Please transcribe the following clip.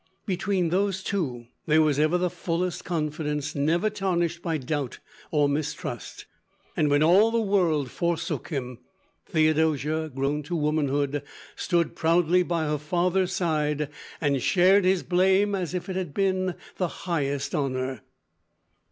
Between those two, there was ever the fullest confidence, never tarnished by doubt or mistrust, and when all the world forsook him, Theodosia, grown to womanhood, stood proudly by her father's side and shared his blame as if it had been the highest honour.